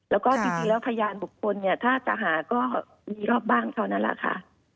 แล้วก็จริงแล้วพยานบุคคลเนี่ยถ้าจะหาก็มีรอบบ้างเท่านั้นแหละค่ะ